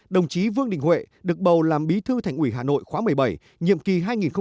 đồng chí vương đình huệ được bầu làm bí thư thành ủy hà nội khóa một mươi bảy nhiệm kỳ hai nghìn hai mươi hai nghìn hai mươi năm